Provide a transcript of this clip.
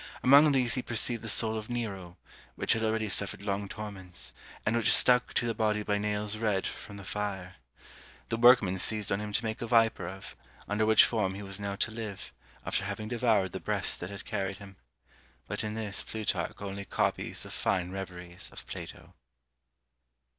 Among these he perceived the soul of Nero, which had already suffered long torments, and which stuck to the body by nails red from the fire. The workmen seized on him to make a viper of, under which form he was now to live, after having devoured the breast that had carried him. But in this Plutarch only copies the fine reveries of Plato.